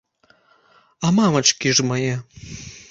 А мамачкі ж мае.